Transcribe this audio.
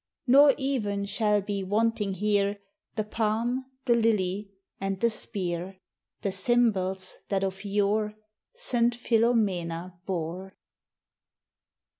Nor even shall be wanting here The palm, the lily, and the spear, The symbols that of yore Saint Filomena bore.